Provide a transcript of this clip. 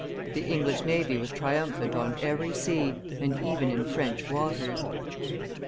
The English navy was triumphant on every sea, and even in French waters.